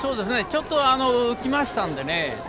ちょっと浮きましたのでね